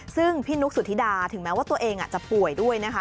ซึ่งพี่นุ๊กสุธิดาถึงแม้ว่าตัวเองจะป่วยด้วยนะคะ